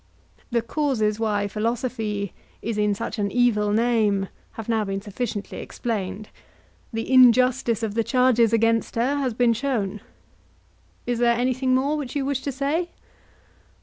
The causes why philosophy is in such an evil name have now been sufficiently explained: the injustice of the charges against her has been shown—is there anything more which you wish to say?